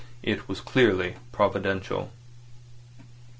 It was clearly providential.